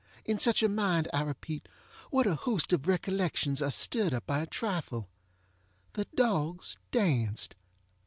In such a mind, I repeat, what a host of recollections are stirred up by a trifle! The dogs danced!